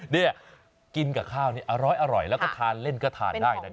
นี่กินกับข้าวนี่อร้อยแล้วก็ทานเล่นก็ทานได้นะครับ